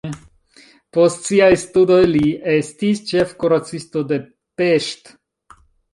Post siaj studoj li estis ĉefkuracisto de Pest.